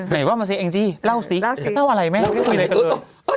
ไหนว่ามาซิเอ็งจี้เล่าซิเล่าอะไรแม่ไม่ได้คุยเลย